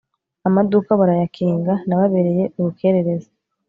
amaduka barayakinga; nababereye urukerereza